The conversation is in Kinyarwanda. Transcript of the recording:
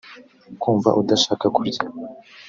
kumva udashaka kurya